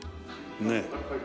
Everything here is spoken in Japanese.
ねえ。